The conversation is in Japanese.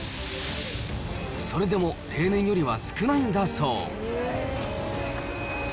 それでも例年よりは少ないんだそう。